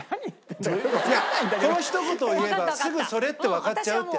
このひと言を言えばすぐそれってわかっちゃうっていうやつ。